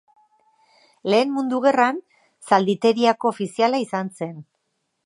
Lehen Mundu Gerran, zalditeriako ofiziala izan zen.